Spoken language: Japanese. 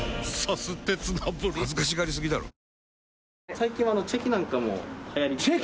最近はチェキなんかも。チェキ！？